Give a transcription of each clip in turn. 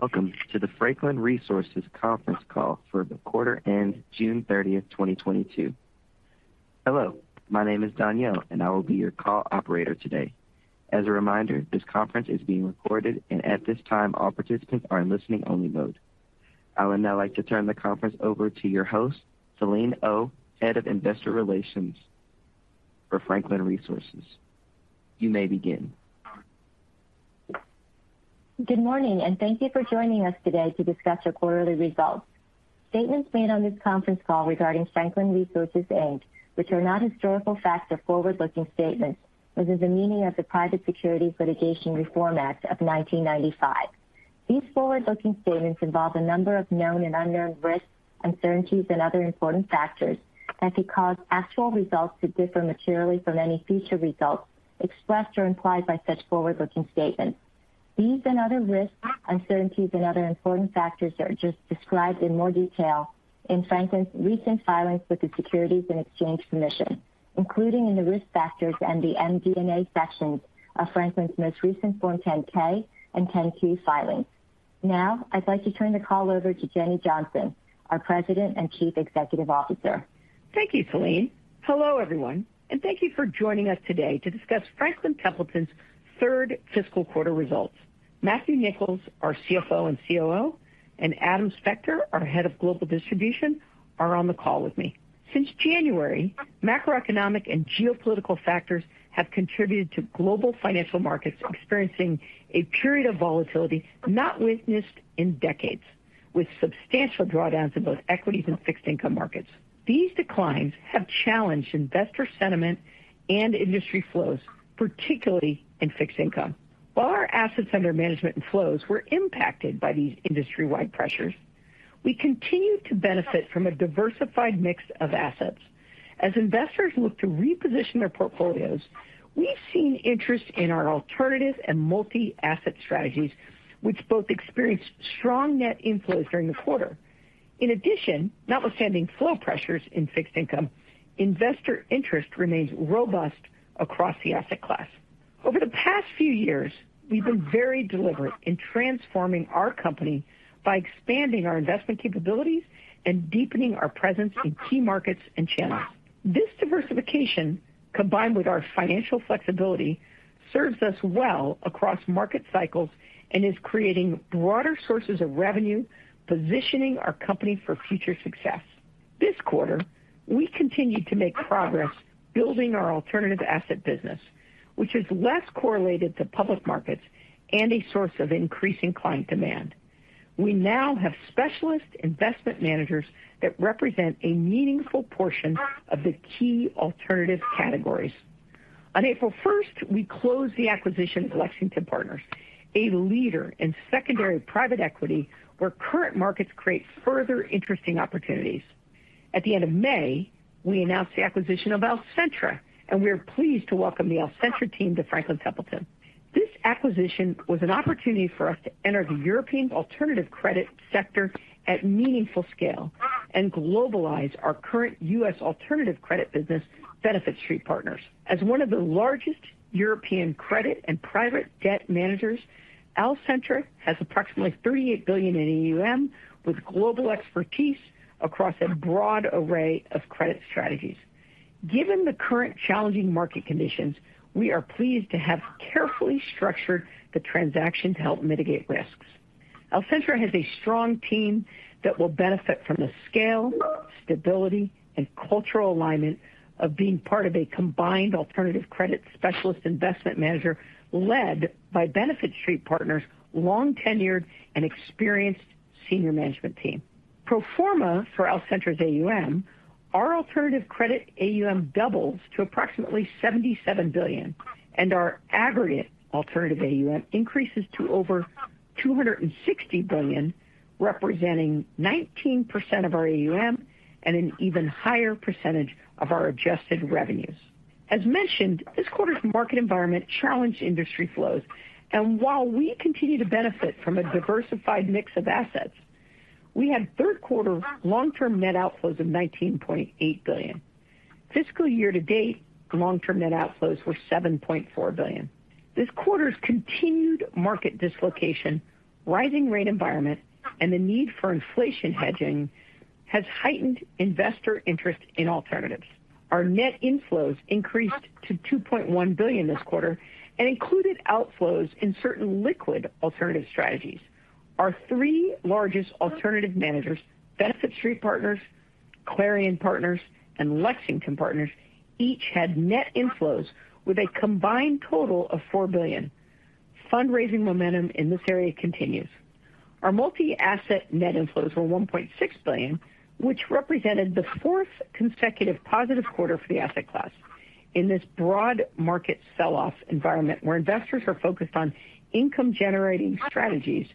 Welcome to the Franklin Resources conference call for the quarter ended June 30th, 2022. Hello, my name is Danielle, and I will be your call operator today. As a reminder, this conference is being recorded, and at this time, all participants are in listening only mode. I would now like to turn the conference over to your host, Selene Oh, Head of Investor Relations for Franklin Resources. You may begin. Good morning, and thank you for joining us today to discuss our quarterly results. Statements made on this conference call regarding Franklin Resources, Inc, which are not historical facts or forward-looking statements within the meaning of the Private Securities Litigation Reform Act of 1995. These forward-looking statements involve a number of known and unknown risks, uncertainties, and other important factors that could cause actual results to differ materially from any future results expressed or implied by such forward-looking statements. These and other risks, uncertainties and other important factors are just described in more detail in Franklin's recent filings with the Securities and Exchange Commission, including in the Risk Factors and the MD&A sections of Franklin's most recent Form 10-K and 10-Q filings. Now I'd like to turn the call over to Jenny Johnson, our President and Chief Executive Officer. Thank you, Selene. Hello, everyone, and thank you for joining us today to discuss Franklin Templeton's third fiscal quarter results. Matthew Nicholls, our CFO and COO, and Adam Spector, our Head of Global Distribution, are on the call with me. Since January, macroeconomic and geopolitical factors have contributed to global financial markets experiencing a period of volatility not witnessed in decades, with substantial drawdowns in both equities and fixed income markets. These declines have challenged investor sentiment and industry flows, particularly in fixed income. While our assets under management and flows were impacted by these industry-wide pressures, we continue to benefit from a diversified mix of assets. As investors look to reposition their portfolios, we've seen interest in our alternative and multi-asset strategies, which both experienced strong net inflows during the quarter. In addition, notwithstanding flow pressures in fixed income, investor interest remains robust across the asset class. Over the past few years, we've been very deliberate in transforming our company by expanding our investment capabilities and deepening our presence in key markets and channels. This diversification, combined with our financial flexibility, serves us well across market cycles and is creating broader sources of revenue, positioning our company for future success. This quarter, we continued to make progress building our alternative asset business, which is less correlated to public markets and a source of increasing client demand. We now have specialist investment managers that represent a meaningful portion of the key alternative categories. On April first, we closed the acquisition of Lexington Partners, a leader in secondary private equity, where current markets create further interesting opportunities. At the end of May, we announced the acquisition of Alcentra, and we are pleased to welcome the Alcentra team to Franklin Templeton. This acquisition was an opportunity for us to enter the European alternative credit sector at meaningful scale and globalize our current U.S. alternative credit business, Benefit Street Partners. As one of the largest European credit and private debt managers, Alcentra has approximately $38 billion in AUM, with global expertise across a broad array of credit strategies. Given the current challenging market conditions, we are pleased to have carefully structured the transaction to help mitigate risks. Alcentra has a strong team that will benefit from the scale, stability and cultural alignment of being part of a combined alternative credit specialist investment manager led by Benefit Street Partners' long-tenured and experienced senior management team. Pro forma for Alcentra's AUM, our alternative credit AUM doubles to approximately $77 billion and our aggregate alternative AUM increases to over $260 billion, representing 19% of our AUM and an even higher percentage of our adjusted revenues. As mentioned, this quarter's market environment challenged industry flows, and while we continue to benefit from a diversified mix of assets, we had third quarter long-term net outflows of $19.8 billion. Fiscal year-to-date, long-term net outflows were $7.4 billion. This quarter's continued market dislocation, rising rate environment and the need for inflation hedging has heightened investor interest in alternatives. Our net inflows increased to $2.1 billion this quarter and included outflows in certain liquid alternative strategies. Our three largest alternative managers, Benefit Street Partners, Clarion Partners and Lexington Partners, each had net inflows with a combined total of $4 billion. Fundraising momentum in this area continues. Our multi-asset net inflows were $1.6 billion, which represented the fourth consecutive positive quarter for the asset class. In this broad market sell-off environment where investors are focused on income generating strategies,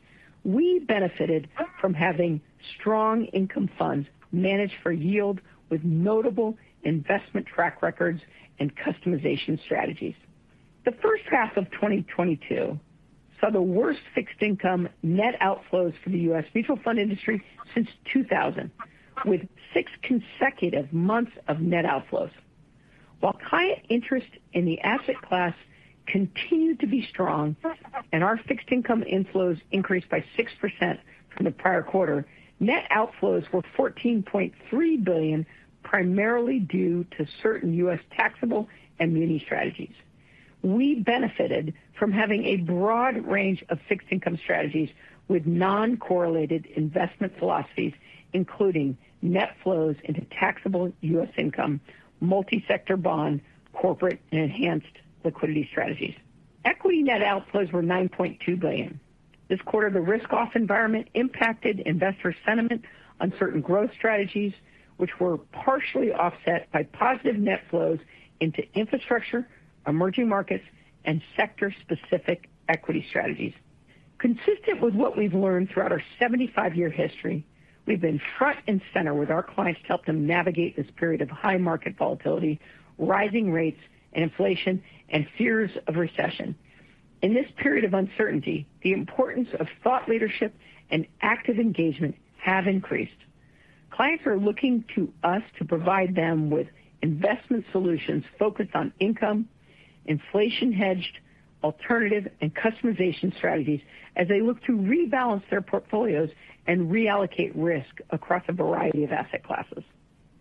we benefited from having strong income funds managed for yield with notable investment track records and customization strategies. The first half of 2022 saw the worst fixed income net outflows for the U.S. mutual fund industry since 2000, with six consecutive months of net outflows. While client interest in the asset class continued to be strong and our fixed income inflows increased by 6% from the prior quarter, net outflows were $14.3 billion, primarily due to certain U.S. taxable and muni strategies. We benefited from having a broad range of fixed income strategies with non-correlated investment philosophies, including net flows into taxable U.S. income, multi-sector bond, corporate, and enhanced liquidity strategies. Equity net outflows were $9.2 billion. This quarter, the risk-off environment impacted investor sentiment on certain growth strategies, which were partially offset by positive net flows into infrastructure, emerging markets, and sector-specific equity strategies. Consistent with what we've learned throughout our 75-year history, we've been front and center with our clients to help them navigate this period of high market volatility, rising rates and inflation, and fears of recession. In this period of uncertainty, the importance of thought leadership and active engagement have increased. Clients are looking to us to provide them with investment solutions focused on income, inflation-hedged, alternative, and customization strategies as they look to rebalance their portfolios and reallocate risk across a variety of asset classes.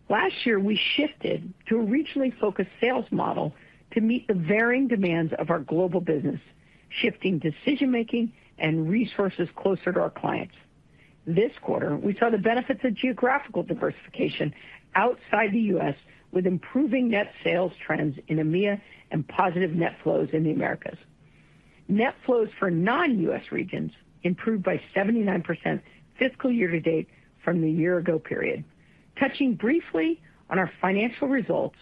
Last year, we shifted to a regionally focused sales model to meet the varying demands of our global business, shifting decision-making and resources closer to our clients. This quarter, we saw the benefits of geographical diversification outside the U.S. with improving net sales trends in EMEA and positive net flows in the Americas. Net flows for non-U.S. regions improved by 79% fiscal year-to-date from the year ago period. Touching briefly on our financial results,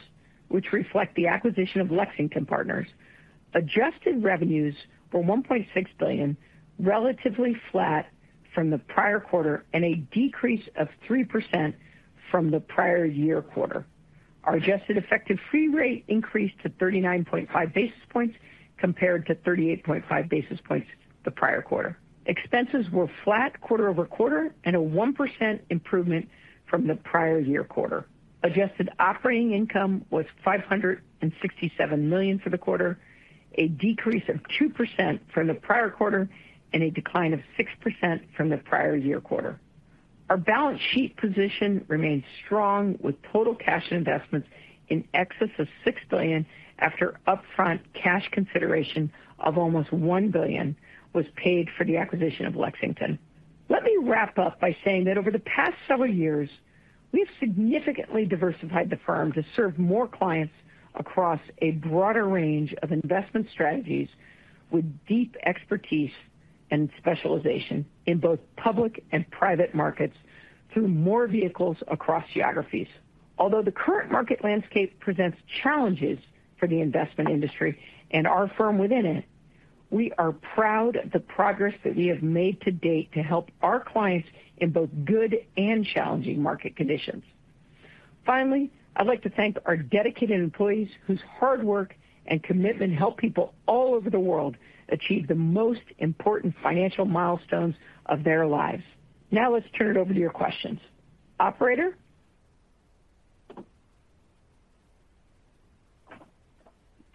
which reflect the acquisition of Lexington Partners, adjusted revenues were $1.6 billion, relatively flat from the prior quarter, and a decrease of 3% from the prior year quarter. Our adjusted effective fee rate increased to 39.5 basis points compared to 38.5 basis points the prior quarter. Expenses were flat quarter-over-quarter and a 1% improvement from the prior year quarter. Adjusted operating income was $567 million for the quarter, a decrease of 2% from the prior quarter and a decline of 6% from the prior year quarter. Our balance sheet position remains strong with total cash and investments in excess of $6 billion after upfront cash consideration of almost $1 billion was paid for the acquisition of Lexington Partners. Let me wrap up by saying that over the past several years, we've significantly diversified the firm to serve more clients across a broader range of investment strategies with deep expertise and specialization in both public and private markets through more vehicles across geographies. Although the current market landscape presents challenges for the investment industry and our firm within it, we are proud of the progress that we have made to date to help our clients in both good and challenging market conditions. Finally, I'd like to thank our dedicated employees whose hard work and commitment help people all over the world achieve the most important financial milestones of their lives. Now let's turn it over to your questions. Operator.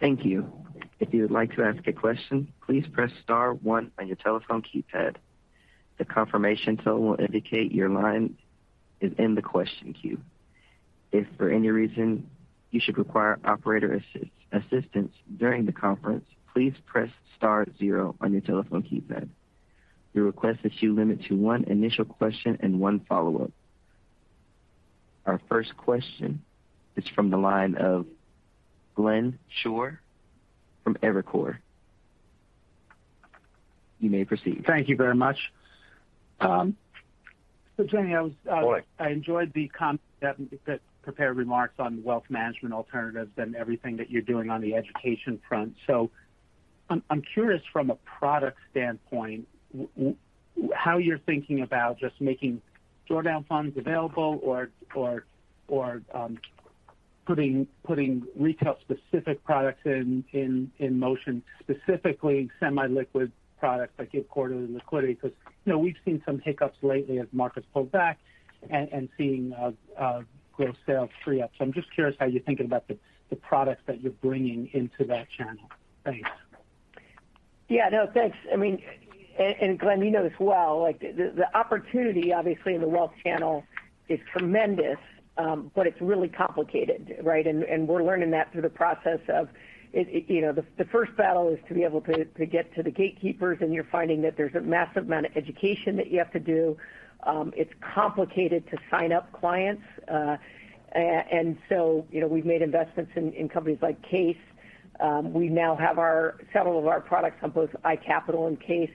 Thank you. If you would like to ask a question, please press star one on your telephone keypad. The confirmation tone will indicate your line is in the question queue. If for any reason you should require operator assistance during the conference, please press star zero on your telephone keypad. We request that you limit to one initial question and one follow-up. Our first question is from the line of Glenn Schorr from Evercore. You may proceed. Thank you very much. Jenny, I enjoyed the prepared remarks on wealth management alternatives and everything that you're doing on the education front. I'm curious from a product standpoint, how you're thinking about just making drawdown funds available or putting retail-specific products in motion, specifically semi-liquid products that give quarterly liquidity. Because, you know, we've seen some hiccups lately as markets pull back and seeing gross sales free up. I'm just curious how you're thinking about the products that you're bringing into that channel. Thanks. Yeah. No, thanks. I mean, Glenn, you know this well, like the opportunity obviously in the wealth channel is tremendous, but it's really complicated, right? We're learning that through the process of it, you know, the first battle is to be able to get to the gatekeepers, and you're finding that there's a massive amount of education that you have to do. It's complicated to sign up clients. You know, we've made investments in companies like CAIS. We now have several of our products on both iCapital and CAIS.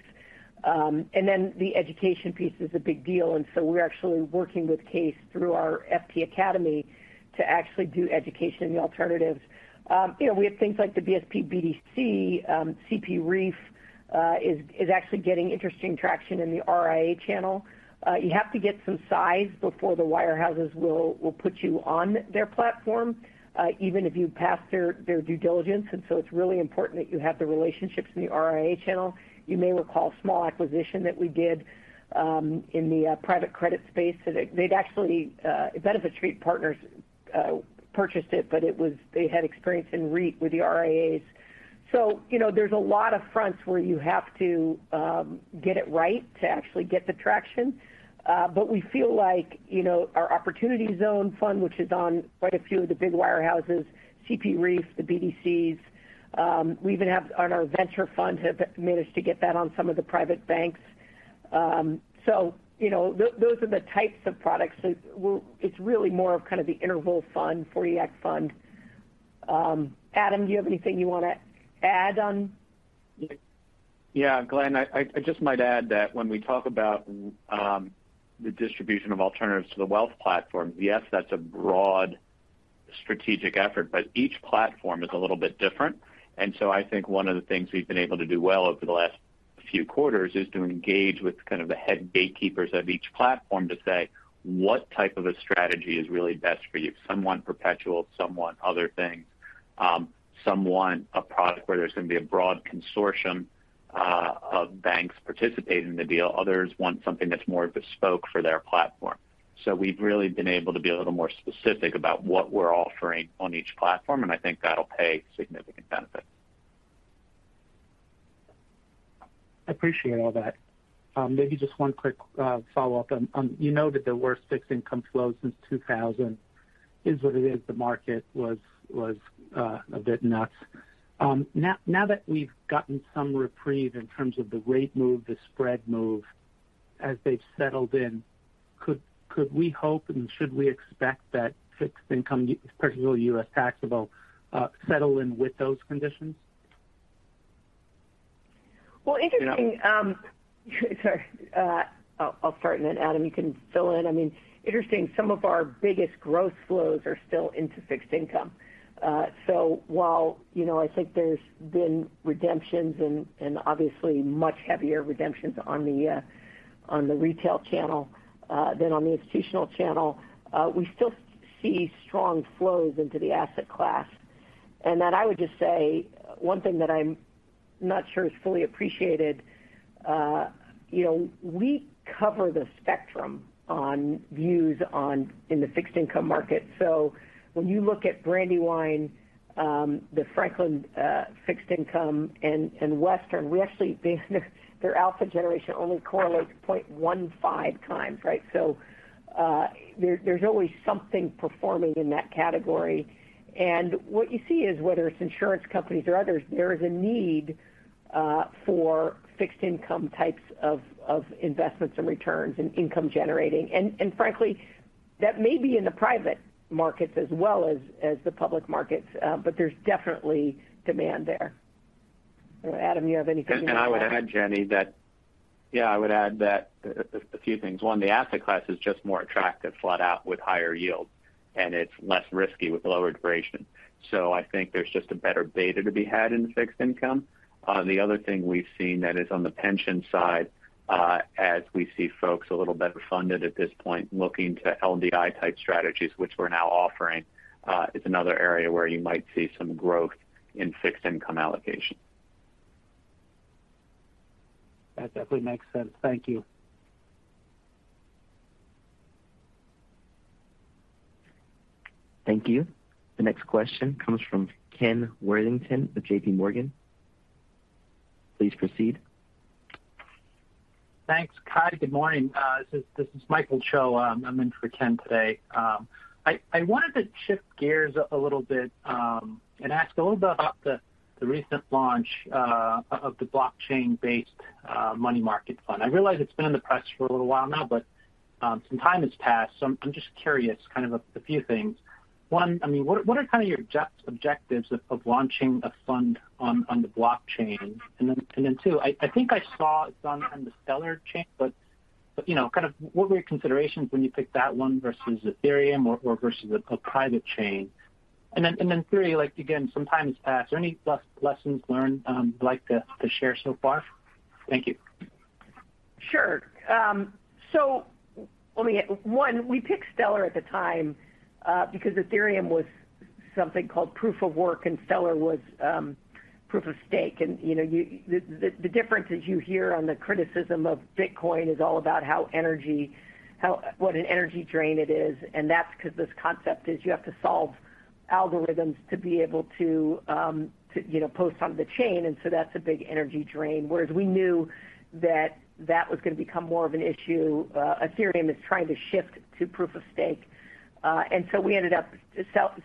The education piece is a big deal, and so we're actually working with CAIS through our FP Academy to actually do education in the alternatives. You know, we have things like the BSP BDC, CP REIT is actually getting interesting traction in the RIA channel. You have to get some size before the wirehouses will put you on their platform, even if you pass their due diligence. It's really important that you have the relationships in the RIA channel. You may recall a small acquisition that we did in the private credit space that Benefit Street Partners actually purchased it, but it was they had experience in REIT with the RIAs. You know, there's a lot of fronts where you have to get it right to actually get the traction. We feel like, you know, our opportunity zone fund, which is on quite a few of the big wirehouses, CP REIT, the BDCs, we even have on our venture fund have managed to get that on some of the private banks. So, you know, those are the types of products that it's really more of kind of the interval fund, '40 Act fund. Adam, do you have anything you wanna add on? Yeah, Glenn, I just might add that when we talk about the distribution of alternatives to the wealth platform, yes, that's a broad strategic effort, but each platform is a little bit different. I think one of the things we've been able to do well over the last few quarters is to engage with kind of the head gatekeepers of each platform to say, "What type of a strategy is really best for you?" Some want perpetual, some want other things. Some want a product where there's gonna be a broad consortium of banks participating in the deal. Others want something that's more bespoke for their platform. We've really been able to be a little more specific about what we're offering on each platform, and I think that'll pay significant benefits. I appreciate all that. Maybe just one quick follow-up on. You noted there were fixed income flows since 2000. That's what it is, the market was a bit nuts. Now that we've gotten some reprieve in terms of the rate move, the spread move, as they've settled in, could we hope, and should we expect that fixed income, particularly U.S. taxable, settle in with those conditions? I'll start, and then Adam, you can fill in. I mean, interesting, some of our biggest growth flows are still into fixed income. While, you know, I think there's been redemptions and obviously much heavier redemptions on the retail channel than on the institutional channel, we still see strong flows into the asset class. That I would just say one thing that I'm not sure is fully appreciated, you know, we cover the spectrum on views in the fixed income market. When you look at Brandywine, the Franklin fixed income and Western, we actually. Their alpha generation only correlates 0.15 times, right? There's always something performing in that category. What you see is whether it's insurance companies or others, there is a need for fixed income types of investments and returns and income generating. Frankly, that may be in the private markets as well as the public markets. There's definitely demand there. Adam, you have anything to add? I would add, Jenny, a few things. One, the asset class is just more attractive flat out with higher yields, and it's less risky with lower duration. I think there's just a better beta to be had in fixed income. The other thing we've seen that is on the pension side, as we see folks a little better funded at this point, looking to LDI type strategies, which we're now offering, is another area where you might see some growth in fixed income allocation. That definitely makes sense. Thank you. Thank you. The next question comes from Ken Worthington with JPMorgan. Please proceed. Thanks. Hi, good morning. This is Michael Cho. I'm in for Ken today. I wanted to shift gears a little bit and ask a little bit about the recent launch of the blockchain-based money market fund. I realize it's been in the press for a little while now, but some time has passed. So I'm just curious, kind of a few things. One, I mean, what are kind of your just objectives of launching a fund on the blockchain? And then two, I think I saw it's on the Stellar chain, but you know, kind of what were your considerations when you picked that one versus Ethereum or versus a private chain? And then three, like, again, some time has passed. Are there any lessons learned you'd like to share so far? Thank you. Sure. One, we picked Stellar at the time, because Ethereum was something called Proof of Work, and Stellar was Proof of Stake. You know, the difference is you hear on the criticism of Bitcoin is all about what an energy drain it is, and that's 'cause this concept is you have to solve algorithms to be able to, you know, post on the chain. That's a big energy drain. Whereas we knew that that was gonna become more of an issue. Ethereum is trying to shift to Proof of Stake.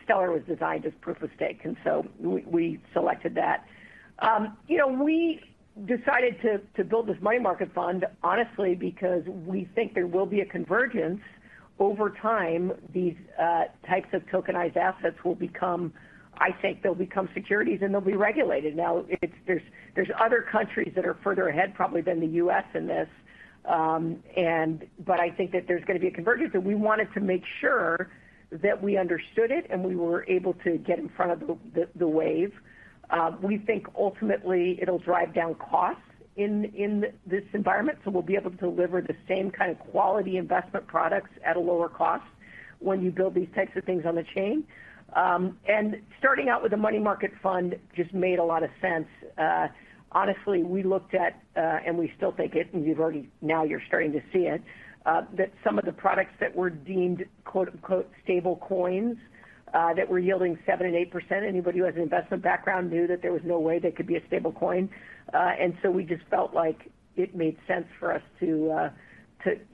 Stellar was designed as Proof of Stake, and so we selected that. You know, we decided to build this money market fund, honestly, because we think there will be a convergence over time. These types of tokenized assets, I think they'll become securities, and they'll be regulated. Now, there's other countries that are further ahead probably than the U.S. in this. I think that there's gonna be a convergence, and we wanted to make sure that we understood it, and we were able to get in front of the wave. We think ultimately it'll drive down costs in this environment, so we'll be able to deliver the same kind of quality investment products at a lower cost when you build these types of things on the chain. Starting out with a money market fund just made a lot of sense. Honestly, we looked at it, and we still think it. Now you're starting to see it that some of the products that were deemed "stablecoins" that were yielding 7% and 8%, anybody who has an investment background knew that there was no way they could be a stablecoin. We just felt like it made sense for us to,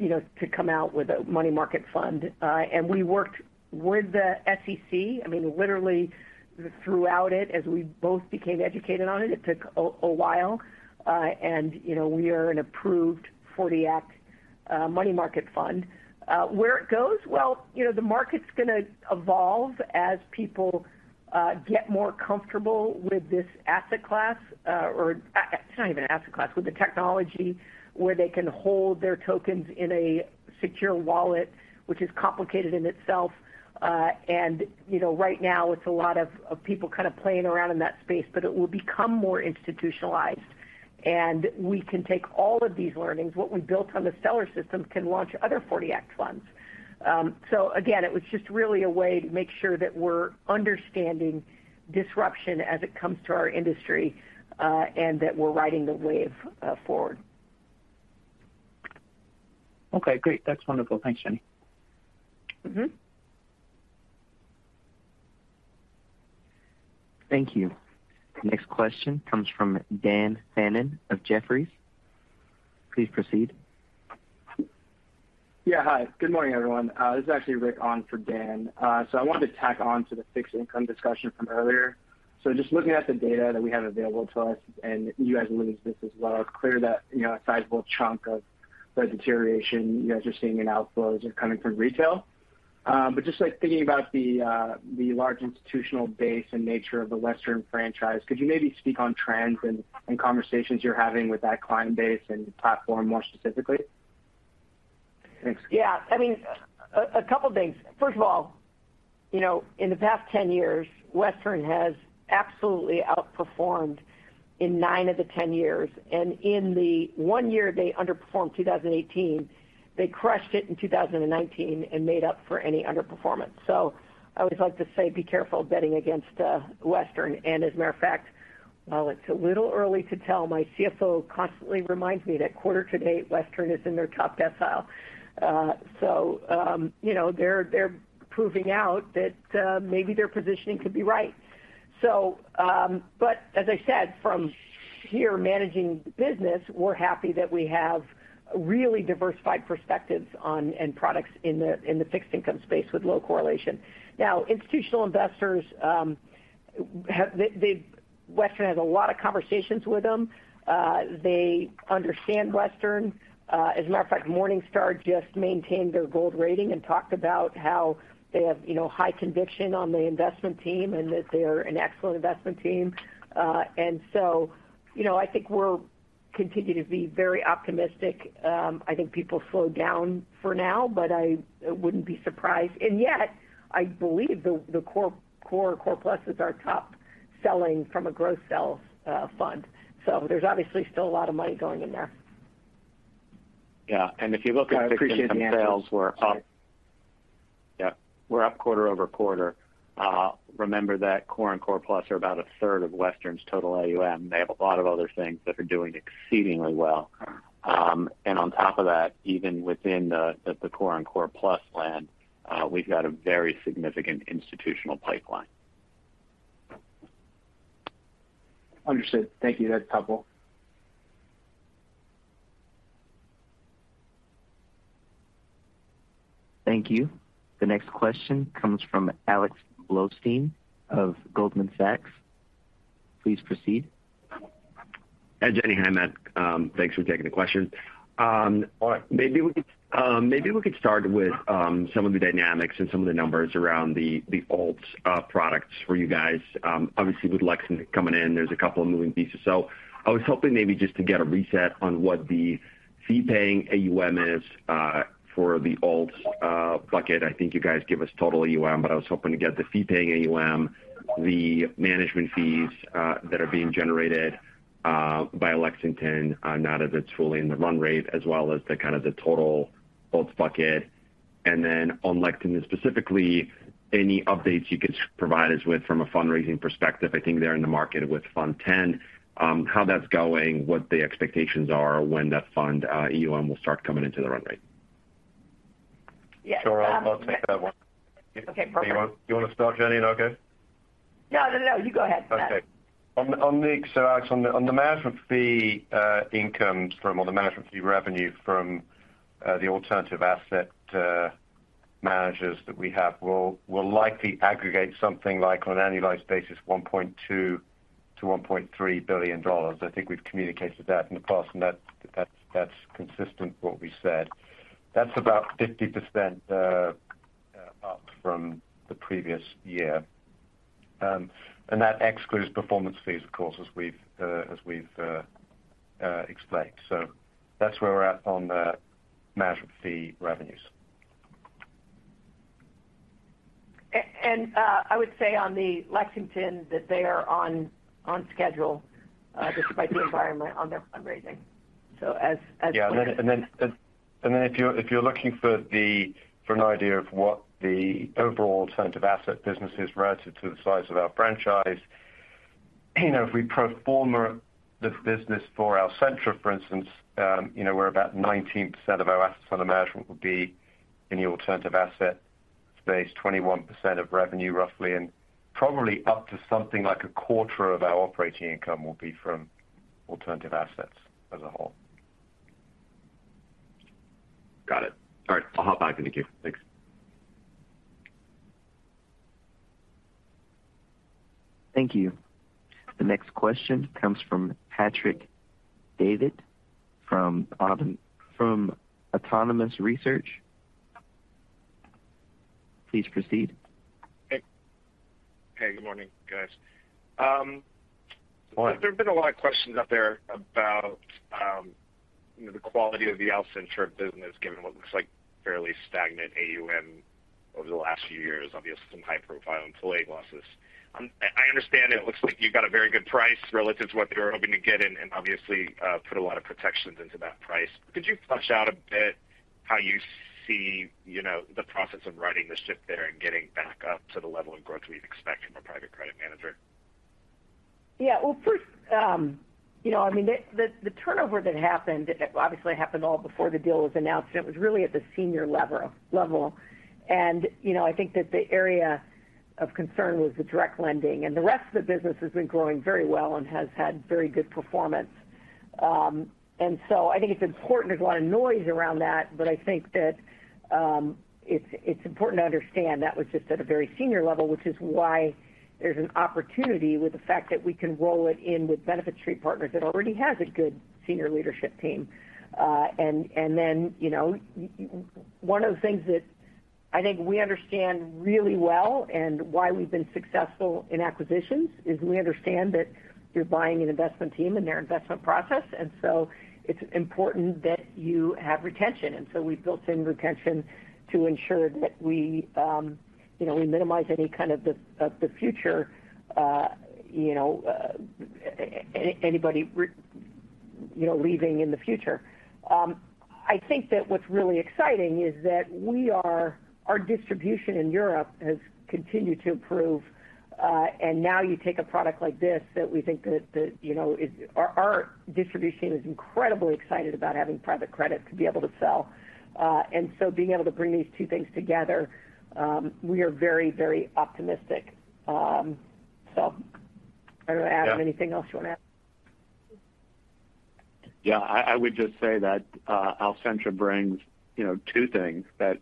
you know, to come out with a money market fund. We worked with the SEC, I mean, literally throughout it as we both became educated on it. It took a while. You know, we are an approved '40 Act money market fund. Where it goes, well, you know, the market's gonna evolve as people get more comfortable with this asset class, or it's not even an asset class, with the technology where they can hold their tokens in a secure wallet, which is complicated in itself. You know, right now it's a lot of people kind of playing around in that space, but it will become more institutionalized. We can take all of these learnings. What we built on the Stellar system can launch other '40 Act funds. Again, it was just really a way to make sure that we're understanding disruption as it comes to our industry, and that we're riding the wave forward. Okay, great. That's wonderful. Thanks, Jenny. Mm-hmm. Thank you. The next question comes from Dan Fannon of Jefferies. Please proceed. Yeah, hi. Good morning, everyone. This is actually Rick on for Dan. I wanted to tack on to the fixed income discussion from earlier. Just looking at the data that we have available to us, and you guys have looked at this as well, clear that, you know, a sizable chunk of the deterioration you guys are seeing in outflows are coming from retail. But just like thinking about the large institutional base and nature of the Western franchise, could you maybe speak on trends and conversations you're having with that client base and platform more specifically? Thanks. Yeah. I mean, a couple of things. First of all, you know, in the past 10 years, Western has absolutely outperformed in nine of the 10 years. In the one year they underperformed, 2018, they crushed it in 2019 and made up for any underperformance. I always like to say be careful betting against Western. As a matter of fact, while it's a little early to tell, my CFO constantly reminds me that quarter-to-date, Western is in their top decile. You know, they're proving out that maybe their positioning could be right. As I said, from here managing the business, we're happy that we have really diversified perspectives on and products in the fixed income space with low correlation. Now, institutional investors have... Western has a lot of conversations with them. They understand Western. As a matter of fact, Morningstar just maintained their gold rating and talked about how they have, you know, high conviction on the investment team and that they're an excellent investment team. You know, I think we'll continue to be very optimistic. I think people slowed down for now, but I wouldn't be surprised. Yet, I believe the core plus is our top-selling from a growth sales fund. There's obviously still a lot of money going in there. Yeah. If you look at I appreciate the answer. -sales, we're up. Yeah. We're up quarter-over-quarter. Remember that core and core plus are about a third of Western's total AUM. They have a lot of other things that are doing exceedingly well. On top of that, even within the core and core plus land, we've got a very significant institutional pipeline. Understood. Thank you. That's helpful. Thank you. The next question comes from Alex Blostein of Goldman Sachs. Please proceed. Hi, Jenny. Hi, Matt. Thanks for taking the question. Maybe we could start with some of the dynamics and some of the numbers around the alts products for you guys. Obviously, with Lexington coming in, there's a couple of moving pieces. I was hoping maybe just to get a reset on what the fee-paying AUM is for the alts bucket. I think you guys give us total AUM, but I was hoping to get the fee-paying AUM, the management fees that are being generated by Lexington now that it's fully in the run rate, as well as the kind of the total alts bucket. Then on Lexington specifically, any updates you could provide us with from a fundraising perspective. I think they're in the market with Fund Ten, how that's going, what the expectations are when that fund, AUM will start coming into the run rate. Yeah. Sure. I'll take that one. Okay, perfect. You want to start, Jenny, and I'll go? No, no. You go ahead, Matt. Okay. On the management fee income from or the management fee revenue from the alternative asset managers that we have will likely aggregate something like on an annualized basis $1.2 billion-$1.3 billion. I think we've communicated that in the past, and that's consistent with what we said. That's about 50% up from the previous year. That excludes performance fees, of course, as we've explained. That's where we're at on the management fee revenues. I would say on the Lexington Partners that they are on schedule, despite the environment on their fundraising. If you're looking for an idea of what the overall alternative asset business is relative to the size of our franchise, you know, if we pro forma the business for Alcentra, for instance, you know, we're about 19% of our assets under management would be in the alternative asset space, 21% of revenue roughly, and probably up to something like a quarter of our operating income will be from alternative assets as a whole. Got it. All right, I'll hop back in the queue. Thanks. Thank you. The next question comes from Patrick Davitt from Autonomous Research. Please proceed. Hey. Hey, good morning, guys. Morning. There have been a lot of questions out there about you know the quality of the Alcentra business, given what looks like fairly stagnant AUM over the last few years, obviously some high-profile employee losses. I understand it looks like you got a very good price relative to what they were hoping to get and obviously put a lot of protections into that price. Could you flesh out a bit how you see you know the process of righting the ship there and getting back up to the level of growth we'd expect from a private credit manager? Yeah. Well, first, you know, I mean, the turnover that happened obviously happened all before the deal was announced, and it was really at the senior level. You know, I think that the area of concern was the direct lending, and the rest of the business has been growing very well and has had very good performance. I think it's important. There's a lot of noise around that, but I think that it's important to understand that was just at a very senior level, which is why there's an opportunity with the fact that we can roll it in with Benefit Street Partners that already has a good senior leadership team. One of the things that I think we understand really well and why we've been successful in acquisitions is we understand that you're buying an investment team and their investment process, and so it's important that you have retention. We've built in retention to ensure that we, you know, we minimize any kind of the future anybody leaving in the future. I think that what's really exciting is that our distribution in Europe has continued to improve. Now you take a product like this that we think, you know, is. Our distribution is incredibly excited about having private credit to be able to sell. Being able to bring these two things together, we are very optimistic. Adam. Yeah. Anything else you want to add? I would just say that Alcentra brings, you know, two things. That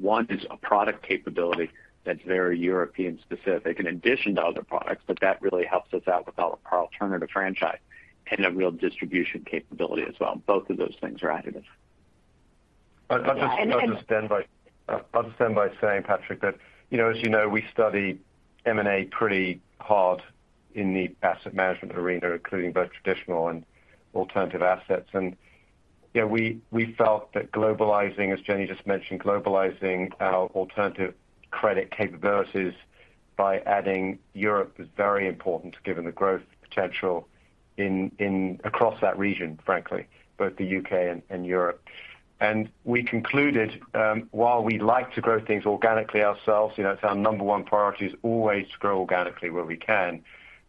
one is a product capability that's very European specific in addition to other products, but that really helps us out with our alternative franchise and a real distribution capability as well. Both of those things are additive. Yeah. I'll just end by saying, Patrick, that, you know, as you know, we study M&A pretty hard in the asset management arena, including both traditional and alternative assets. You know, we felt that globalizing, as Jenny just mentioned, globalizing our alternative credit capabilities by adding Europe is very important given the growth potential in across that region, frankly, both the U.K. and Europe. We concluded, while we like to grow things organically ourselves, you know, it's our number one priority is always to grow organically where we can.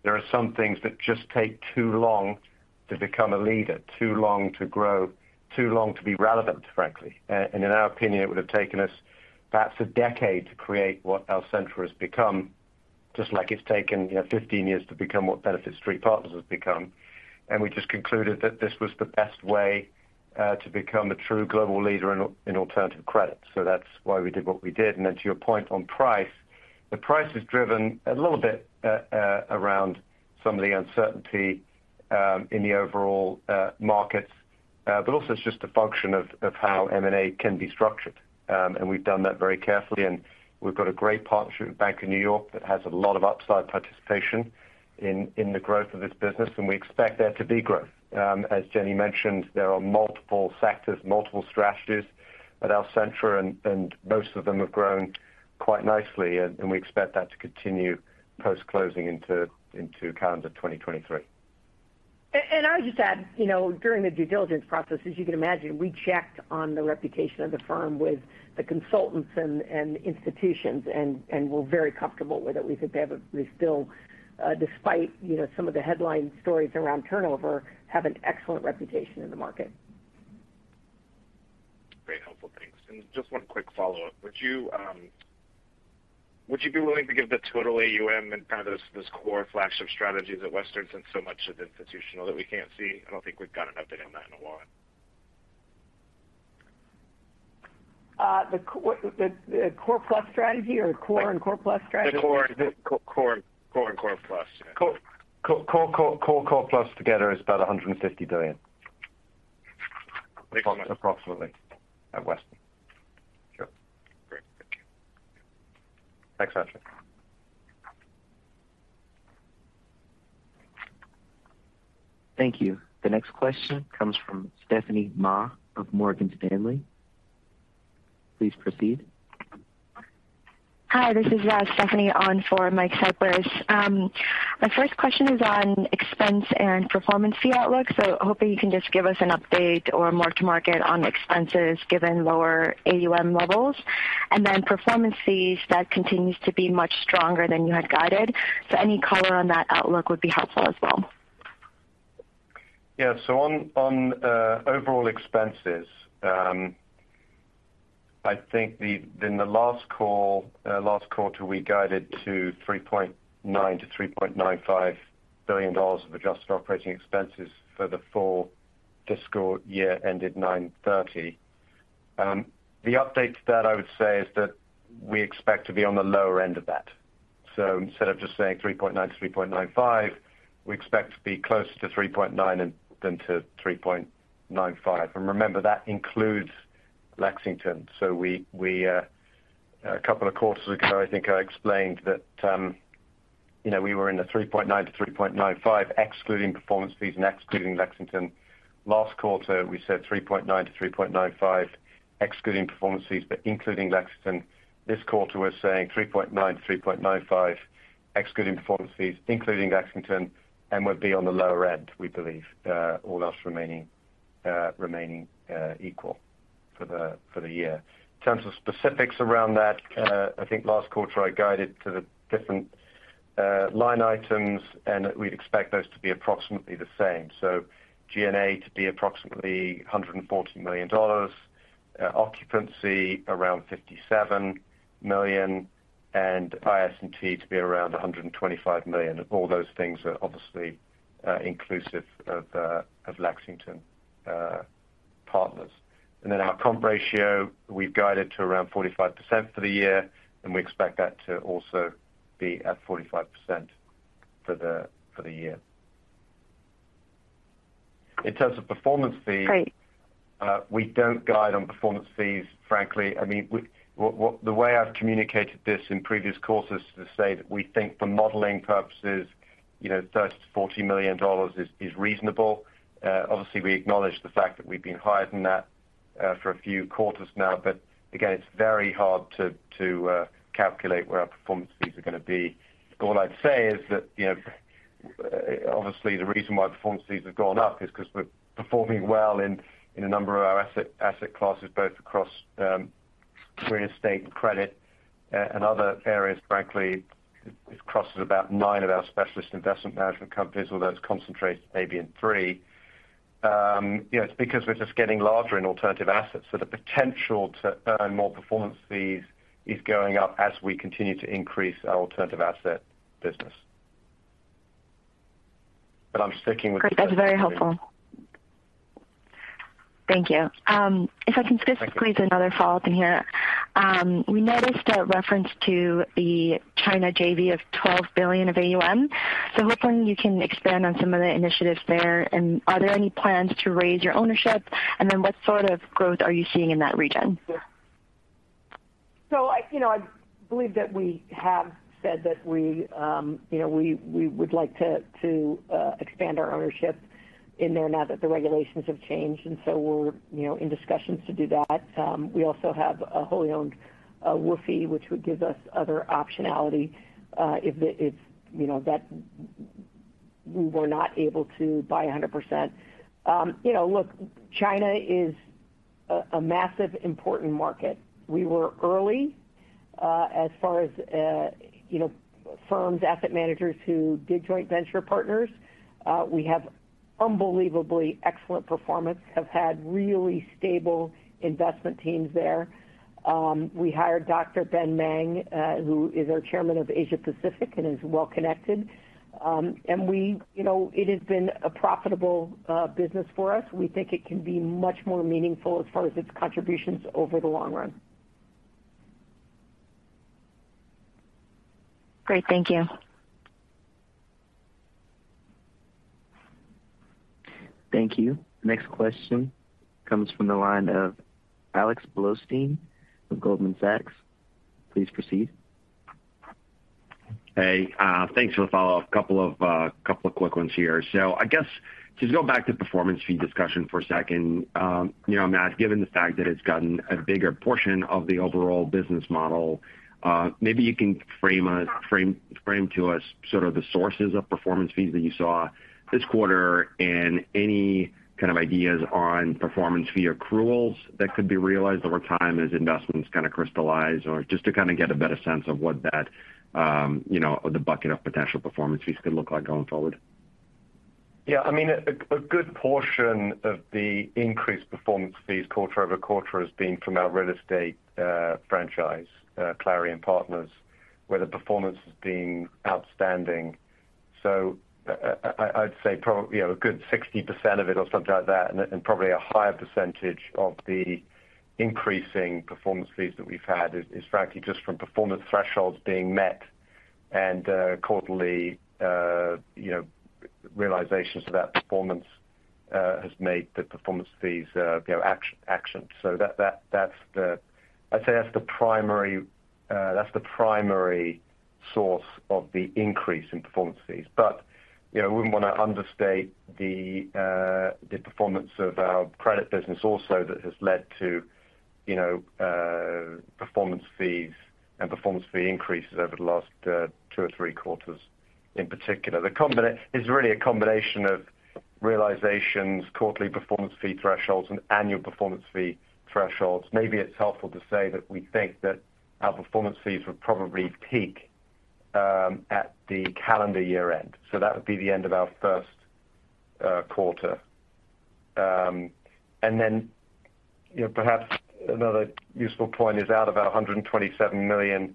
There are some things that just take too long to become a leader, too long to grow, too long to be relevant, frankly. In our opinion, it would have taken us perhaps a decade to create what Alcentra has become, just like it's taken, you know, 15 years to become what Benefit Street Partners has become. We just concluded that this was the best way to become a true global leader in alternative credit. That's why we did what we did. To your point on price, the price is driven a little bit around some of the uncertainty in the overall markets. But also it's just a function of how M&A can be structured. We've done that very carefully, and we've got a great partnership with Bank of New York that has a lot of upside participation in the growth of this business, and we expect there to be growth. As Jenny mentioned, there are multiple sectors, multiple strategies at Alcentra, and we expect that to continue post-closing into calendar 2023. I would just add, you know, during the due diligence process, as you can imagine, we checked on the reputation of the firm with the consultants and institutions, and we're very comfortable with it. We think they still, despite, you know, some of the headline stories around turnover, have an excellent reputation in the market. Great, helpful. Thanks. Just one quick follow-up. Would you be willing to give the total AUM and kind of this core flagship strategy that Western Asset's in so much of institutional that we can't see? I don't think we've got an update on that in a while. The core plus strategy or core and core plus strategy? The core and core plus. Yeah. Core plus together is about $150 billion. Thanks so much. Approximately at Western. Sure. Great. Thank you. Thanks, Patrick. Thank you. The next question comes from Stephanie Ma of Morgan Stanley. Please proceed. Hi, this is Stephanie on for Michael Cyprys. My first question is on expense and performance fee outlook. Hoping you can just give us an update or mark to market on expenses given lower AUM levels. Then performance fees, that continues to be much stronger than you had guided. Any color on that outlook would be helpful as well. Yeah. On overall expenses, I think in the last call, last quarter, we guided to $3.9 billion-$3.95 billion of adjusted operating expenses for the full fiscal year ended October 30. The update to that I would say is that we expect to be on the lower end of that. Instead of just saying $3.9 billion-$3.95 billion, we expect to be closer to $3.9 billion than to $3.95 billion. Remember, that includes Lexington. We a couple of quarters ago, I think I explained that, you know, we were in the $3.9 billion-$3.95 billion, excluding performance fees and excluding Lexington. Last quarter, we said $3.9 billion-$3.95 billion, excluding performance fees, but including Lexington. This quarter, we're saying $3.9 billion-$3.95 billion, excluding performance fees, including Lexington Partners, and we'll be on the lower end, we believe, all else remaining equal for the year. In terms of specifics around that, I think last quarter I guided to the different line items, and we'd expect those to be approximately the same. G&A to be approximately $140 million, occupancy around $57 million, and IS&T to be around $125 million. All those things are obviously inclusive of Lexington Partners. Our comp ratio, we've guided to around 45% for the year, and we expect that to also be at 45% for the year. In terms of performance fees. Great. We don't guide on performance fees, frankly. The way I've communicated this in previous quarters is to say that we think for modeling purposes, you know, $30 million-$40 million is reasonable. Obviously, we acknowledge the fact that we've been higher than that for a few quarters now. It's very hard to calculate where our performance fees are gonna be. All I'd say is that, you know, obviously, the reason why performance fees have gone up is because we're performing well in a number of our asset classes, both across real estate and credit and other areas. Frankly, it crosses about nine of our specialist investment management companies, although it's concentrated maybe in three. You know, it's because we're just getting larger in alternative assets. The potential to earn more performance fees is going up as we continue to increase our alternative asset business. I'm sticking with- Great. That's very helpful. Thank you. If I can just pose another follow-up here. We noticed a reference to the China JV of 12 billion of AUM. Hopefully you can expand on some of the initiatives there. Are there any plans to raise your ownership? What sort of growth are you seeing in that region? I believe that we have said that we, you know, we would like to expand our ownership in there now that the regulations have changed. We're, you know, in discussions to do that. We also have a wholly owned WFOE, which would give us other optionality, you know, if we were not able to buy 100%. You know, look, China is a massive important market. We were early, as far as, you know, firms, asset managers who did joint venture partners. We have unbelievably excellent performance, have had really stable investment teams there. We hired Dr. Ben Meng, who is our Chairman of Asia Pacific and is well connected. You know, it has been a profitable business for us. We think it can be much more meaningful as far as its contributions over the long run. Great. Thank you. Thank you. Next question comes from the line of Alex Blostein with Goldman Sachs. Please proceed. Hey, thanks for the follow-up. A couple of quick ones here. I guess just going back to performance fee discussion for a second. You know, Matt, given the fact that it's gotten a bigger portion of the overall business model, maybe you can frame to us sort of the sources of performance fees that you saw this quarter and any kind of ideas on performance fee accruals that could be realized over time as investments kind of crystallize, or just to kind of get a better sense of what that or the bucket of potential performance fees could look like going forward. Yeah. I mean, a good portion of the increased performance fees quarter-over-quarter has been from our real estate franchise, Clarion Partners, where the performance has been outstanding. I'd say probably you know, a good 60% of it or something like that, and probably a higher percentage of the increasing performance fees that we've had is frankly just from performance thresholds being met. Quarterly you know, realizations of that performance has made the performance fees you know, accrue. I'd say that's the primary source of the increase in performance fees. You know, we wouldn't want to understate the performance of our credit business also that has led to, you know, performance fees and performance fee increases over the last two or three quarters in particular. It's really a combination of realizations, quarterly performance fee thresholds and annual performance fee thresholds. Maybe it's helpful to say that we think that our performance fees would probably peak at the calendar year-end, so that would be the end of our first quarter. you know, perhaps another useful point is out of our $127 million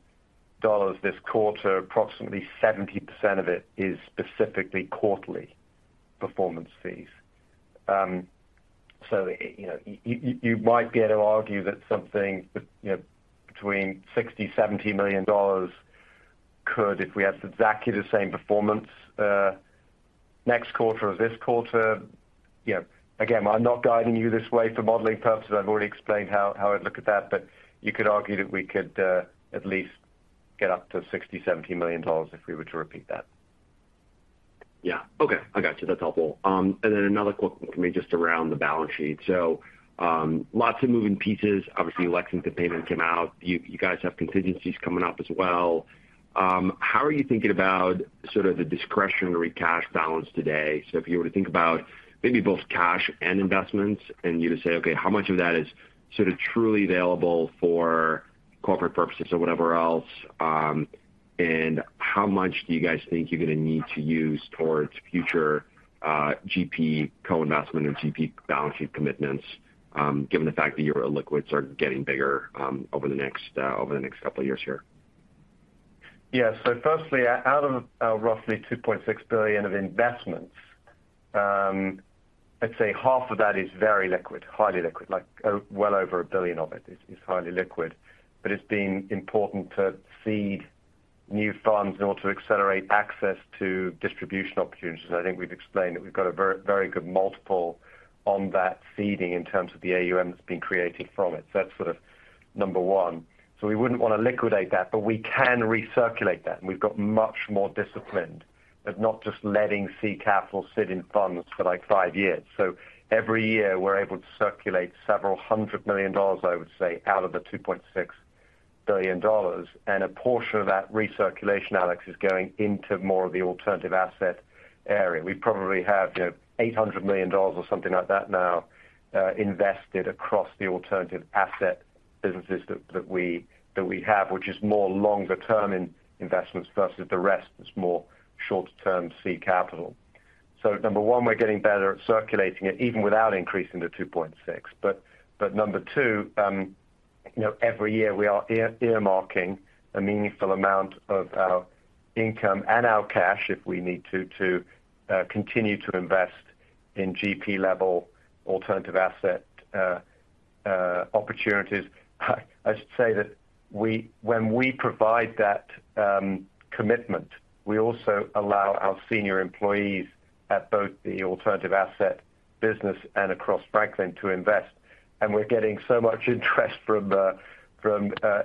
this quarter, approximately 70% of it is specifically quarterly performance fees. You know, you might be able to argue that something, you know, between $60 million-$70 million could, if we had exactly the same performance, next quarter or this quarter. You know, again, I'm not guiding you this way for modeling purposes. I've already explained how I'd look at that, but you could argue that we could, at least get up to $60 million-$70 million if we were to repeat that. Yeah. Okay. I got you. That's helpful. Another quick one for me, just around the balance sheet. Lots of moving pieces. Obviously, Lexington payments come out. You guys have contingencies coming up as well. How are you thinking about sort of the discretionary cash balance today? If you were to think about maybe both cash and investments, and you say, okay, how much of that is sort of truly available for corporate purposes or whatever else, and how much do you guys think you're gonna need to use towards future GP co-investment and GP balance sheet commitments, given the fact that your illiquids are getting bigger over the next couple of years here? Yeah. Firstly, out of our roughly $2.6 billion of investments, I'd say half of that is very liquid, highly liquid, like, well over $1 billion of it is highly liquid. It's been important to seed new funds in order to accelerate access to distribution opportunities. I think we've explained that we've got a very, very good multiple on that seeding in terms of the AUM that's been created from it. That's sort of number one. We wouldn't want to liquidate that, but we can recirculate that. We've got much more disciplined of not just letting seed capital sit in funds for, like, five years. Every year we're able to circulate several hundred million dollars, I would say, out of the $2.6 billion. A portion of that recirculation, Alex, is going into more of the alternative asset area. We probably have, you know, $800 million or something like that now invested across the alternative asset businesses that we have, which is more longer-term investments versus the rest is more shorter-term capital. Number one, we're getting better at circulating it even without increasing the $2.6 billion. Number two, you know, every year we are earmarking a meaningful amount of our income and our cash if we need to continue to invest in GP-level alternative asset opportunities. I should say that when we provide that commitment, we also allow our senior employees at both the alternative asset business and across Franklin to invest. We're getting so much interest from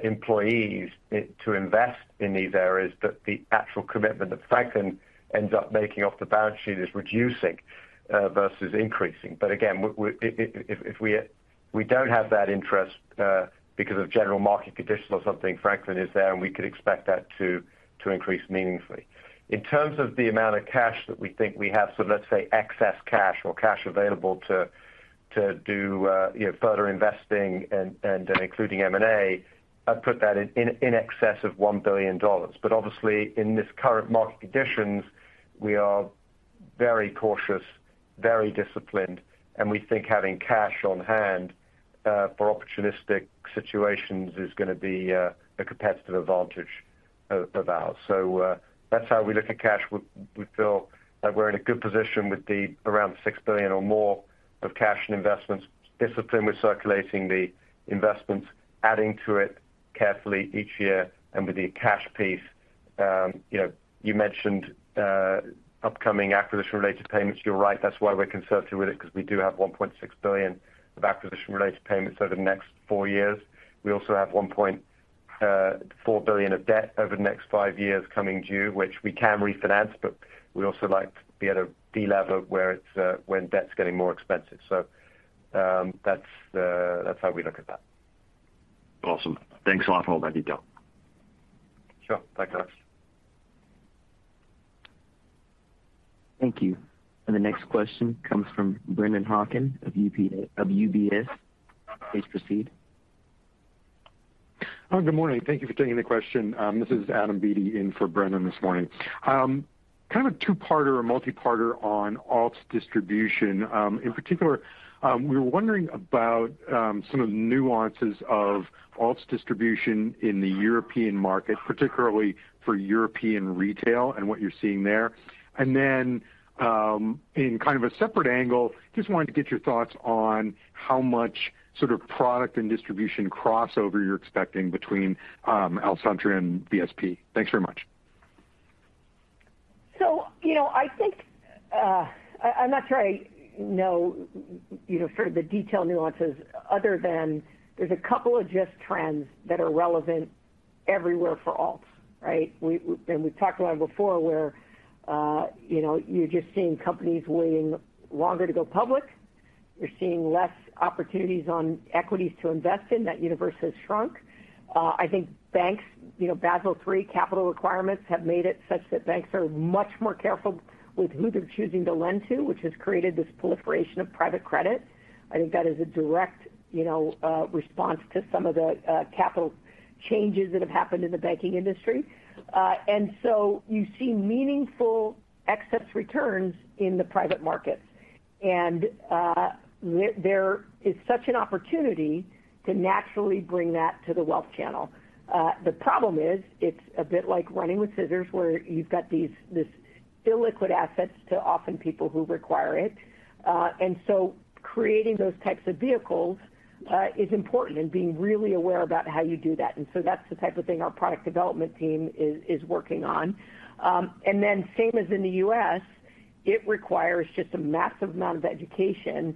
employees to invest in these areas that the actual commitment that Franklin ends up making off the balance sheet is reducing versus increasing. Again, if we don't have that interest because of general market conditions or something, Franklin is there, and we could expect that to increase meaningfully. In terms of the amount of cash that we think we have, so let's say excess cash or cash available to do you know further investing and including M&A, I'd put that in excess of $1 billion. Obviously, in this current market conditions, we are very cautious, very disciplined, and we think having cash on hand for opportunistic situations is gonna be a competitive advantage of ours. That's how we look at cash. We feel that we're in a good position with around $6 billion or more of cash and investments, discipline with circulating the investments, adding to it carefully each year. With the cash piece, you know, you mentioned upcoming acquisition-related payments. You're right. That's why we're conservative with it, because we do have $1.6 billion of acquisition-related payments over the next four years. We also have $1.4 billion of debt over the next five years coming due, which we can refinance, but we also like to be at a delever where it's when debt's getting more expensive. That's how we look at that. Awesome. Thanks a lot for all that detail. Sure. Thanks, Alex. Thank you. The next question comes from Brennan Hawken of UBS. Please proceed. Good morning. Thank you for taking the question. This is Adam Beatty in for Brennan this morning. Kind of a two-parter or multi-parter on alts distribution. In particular, we were wondering about some of the nuances of alts distribution in the European market, particularly for European retail and what you're seeing there. In kind of a separate angle, just wanted to get your thoughts on how much sort of product and distribution crossover you're expecting between Alcentra and BSP. Thanks very much. You know, I think, I'm not sure I know, you know, sort of the detail nuances other than there's a couple of just trends that are relevant everywhere for alts, right? We've talked about it before where, you know, you're just seeing companies waiting longer to go public. You're seeing less opportunities on equities to invest in. That universe has shrunk. I think banks, Basel III capital requirements have made it such that banks are much more careful with who they're choosing to lend to, which has created this proliferation of private credit. I think that is a direct response to some of the capital changes that have happened in the banking industry. You see meaningful excess returns in the private markets. There is such an opportunity to naturally bring that to the wealth channel. The problem is, it's a bit like running with scissors, where you've got these illiquid assets to often people who require it. Creating those types of vehicles is important and being really aware about how you do that. That's the type of thing our product development team is working on. Then same as in the U.S., it requires just a massive amount of education,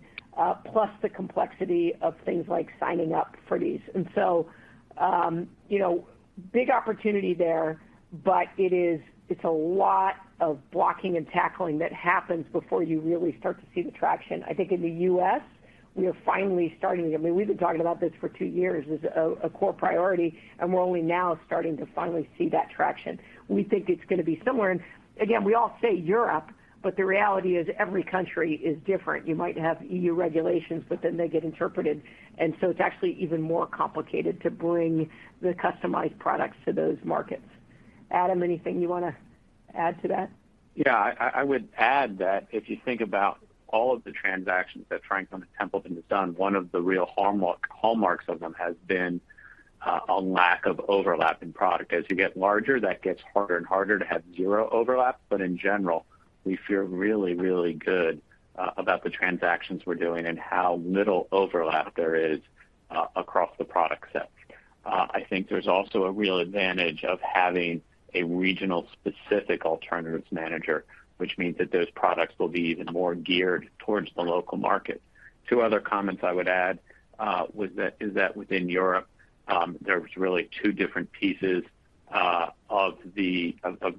plus the complexity of things like signing up for these. You know, big opportunity there, but it's a lot of blocking and tackling that happens before you really start to see the traction. I think in the U.S., we are finally starting. I mean, we've been talking about this for two years as a core priority, and we're only now starting to finally see that traction. We think it's going to be similar. Again, we all say Europe, but the reality is every country is different. You might have EU regulations, but then they get interpreted, and so it's actually even more complicated to bring the customized products to those markets. Adam, anything you want to add to that? Yeah. I would add that if you think about all of the transactions that Franklin Templeton has done, one of the real hallmarks of them has been a lack of overlap in product. As you get larger, that gets harder and harder to have zero overlap. In general, we feel really, really good about the transactions we're doing and how little overlap there is across the product set. I think there's also a real advantage of having a regional specific alternatives manager, which means that those products will be even more geared towards the local market. Two other comments I would add is that within Europe, there's really two different pieces of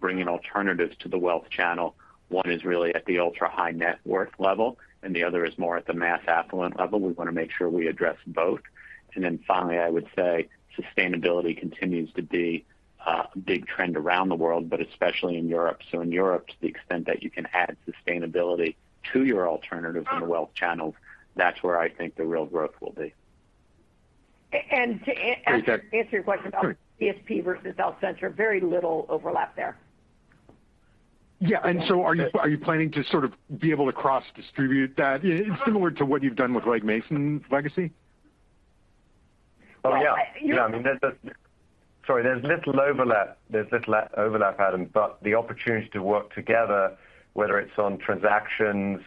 bringing alternatives to the wealth channel. One is really at the ultra-high net worth level, and the other is more at the mass affluent level. We want to make sure we address both. Finally, I would say sustainability continues to be a big trend around the world, but especially in Europe. In Europe, to the extent that you can add sustainability to your alternatives in the wealth channels, that's where I think the real growth will be. And to an- Sorry, go ahead. Answer your question about BSP versus Alcentra, very little overlap there. Are you planning to sort of be able to cross-distribute that? It's similar to what you've done with Legg Mason Legacy. Well, yeah. Well, There's little overlap, Adam, but the opportunity to work together, whether it's on transactions,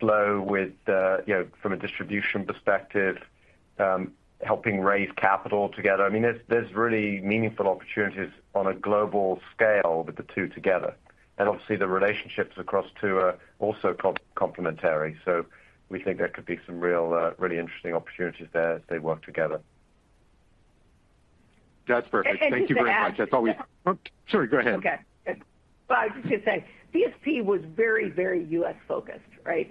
flow with, you know, from a distribution perspective, helping raise capital together. I mean, there's really meaningful opportunities on a global scale with the two together. Obviously the relationships across two are also complementary. We think there could be some real, really interesting opportunities there as they work together. That's perfect. Thank you very much. Just to add. Oh, sorry. Go ahead. Okay. Well, I was just gonna say BSP was very, very U.S. focused, right?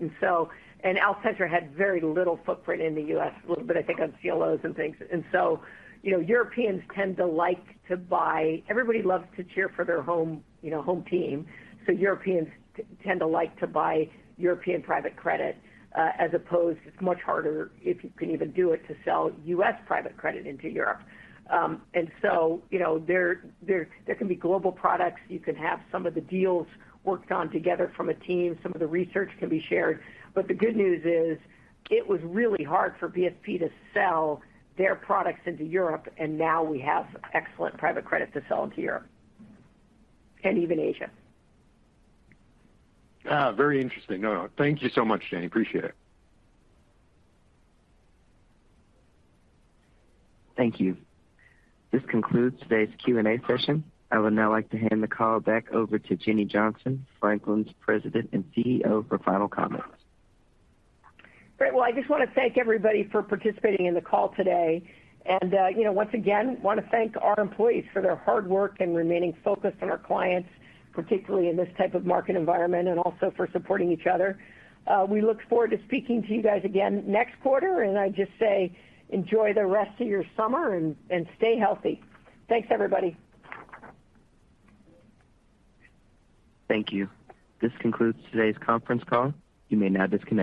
Alcentra had very little footprint in the U.S., a little bit I think on CLOs and things. You know, Europeans tend to like to buy. Everybody loves to cheer for their home, you know, home team. Europeans tend to like to buy European private credit, as opposed to, it's much harder if you can even do it, to sell U.S. private credit into Europe. You know, there can be global products. You can have some of the deals worked on together from a team. Some of the research can be shared. The good news is it was really hard for BSP to sell their products into Europe, and now we have excellent private credit to sell into Europe, and even Asia. Very interesting. No, thank you so much, Jenny. Appreciate it. Thank you. This concludes today's Q&A session. I would now like to hand the call back over to Jenny Johnson, Franklin's President and CEO, for final comments. Great. Well, I just want to thank everybody for participating in the call today. You know, once again want to thank our employees for their hard work and remaining focused on our clients, particularly in this type of market environment, and also for supporting each other. We look forward to speaking to you guys again next quarter, and I just say enjoy the rest of your summer and stay healthy. Thanks, everybody. Thank you. This concludes today's conference call. You may now disconnect.